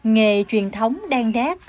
nghề truyền thống đen đát